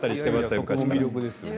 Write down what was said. そこも魅力ですね。